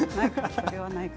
それはないか。